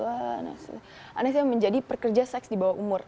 anak anak saya menjadi pekerja seks di bawah umur